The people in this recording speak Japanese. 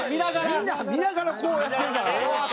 みんな見ながらこうやってるから。